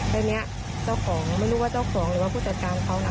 ทีนี้เจ้าของไม่รู้ว่าเจ้าของหรือว่าผู้จัดการเขานะ